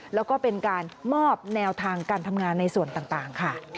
แล้วก็เป็นการมอบแนวทางการทำงานในส่วนต่างค่ะ